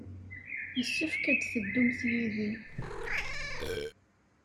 Yessefk ad d-teddumt yid-i.